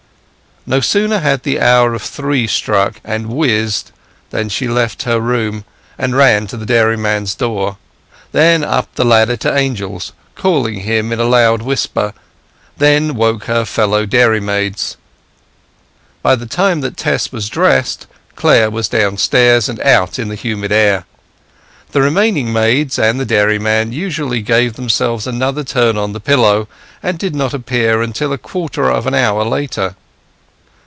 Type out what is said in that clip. No sooner had the hour of three struck and whizzed, than she left her room and ran to the dairyman's door; then up the ladder to Angel's, calling him in a loud whisper; then woke her fellow milkmaids. By the time that Tess was dressed Clare was downstairs and out in the humid air. The remaining maids and the dairyman usually gave themselves another turn on the pillow, and did not appear till a quarter of an hour later.